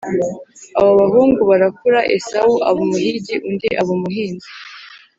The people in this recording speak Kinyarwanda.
Abo bahungu barakura Esawu aba umuhigi undi aba umuhinzi